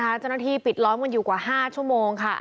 เจ้าหน้าที่ปิดล้อมกันอยู่กว่า๕ชั่วโมงค่ะ